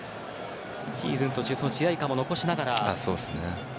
シーズン途中試合勘も残しながらと。